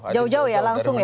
jauh jauh ya langsung ya